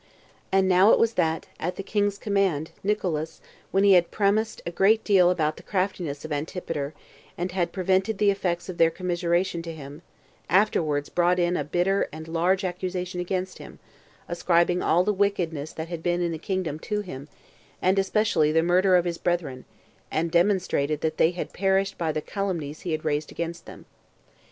4. And now it was that, at the king's command, Nicolaus, when he had premised a great deal about the craftiness of Antipater, and had prevented the effects of their commiseration to him, afterwards brought in a bitter and large accusation against him, ascribing all the wickedness that had been in the kingdom to him, and especially the murder of his brethren; and demonstrated that they had perished by the calumnies he had raised against them.